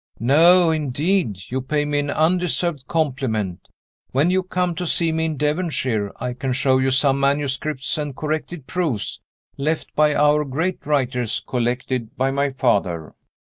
"No, indeed; you pay me an undeserved compliment. When you come to see me in Devonshire, I can show you some manuscripts, and corrected proofs, left by our great writers, collected by my father.